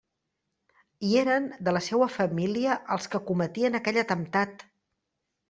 I eren de la seua família els que cometien aquell atemptat!